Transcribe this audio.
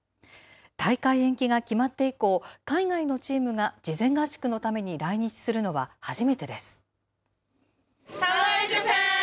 大会延期が決まって以降、海外のチームが事前合宿のために来日するのは初めてです。